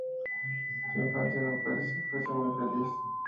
Su infancia no parece que fuese muy feliz.